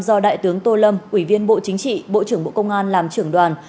do đại tướng tô lâm ủy viên bộ chính trị bộ trưởng bộ công an làm trưởng đoàn